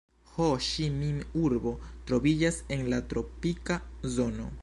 Ho-Ĉi-Min-urbo troviĝas en la tropika zono.